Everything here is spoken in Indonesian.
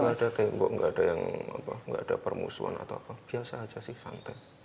nggak ada tembok nggak ada yang nggak ada permusuhan atau apa biasa aja sih santai